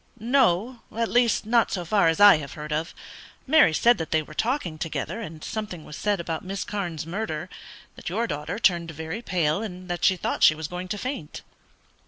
"No; at least not so far as I have heard of. Mary said that they were talking together, and something was said about Miss Carne's murder; that your daughter turned very pale, and that she thought she was going to faint."